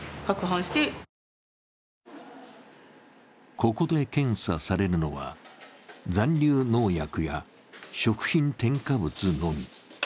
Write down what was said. ここで検査されるのは、残留農薬や食品添加物のみ。